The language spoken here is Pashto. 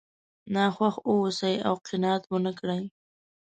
ناخوښ واوسئ او قناعت ونه کړئ.